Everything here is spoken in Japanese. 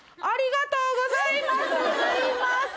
ありがとうございます。